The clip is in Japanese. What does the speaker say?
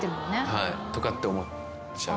はい。とかって思っちゃう。